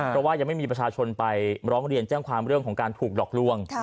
เพราะว่ายังไม่มีประชาชนไปร้องเรียนแจ้งความเรื่องของการถูกหลอกล่วง